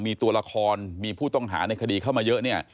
มีตัวละครมีผู้ต้องหาในคดีเข้ามาเยอะเนี่ย